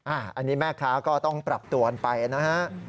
อันนี้แม่ค้าก็ต้องปรับตัวกันไปนะฮะ